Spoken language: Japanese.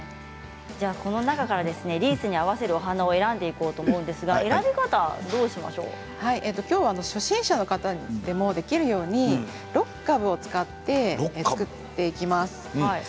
この中からリースに合わせるお花を選んでいこうと思いますが今日は初心者の方でもできるように６株使って作っていきます。